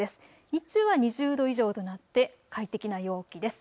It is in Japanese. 日中は２０度以上となって快適な陽気です。